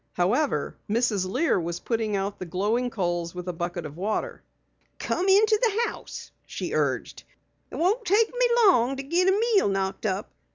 However, Mrs. Lear was putting out the glowing coals with a bucket of water. "Come into the house," she urged. "It won't take me long to git a meal knocked up.